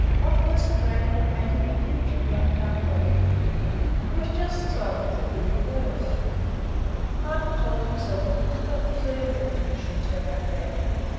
What was the ground for painting the future in that dark way? It was just as likely to be the reverse. Arthur told himself he did not deserve that things should turn out badly.